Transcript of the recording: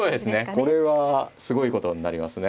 これはすごいことになりますね。